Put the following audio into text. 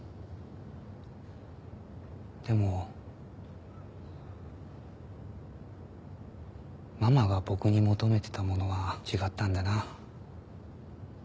でもママが僕に求めてたものは違ったんだな。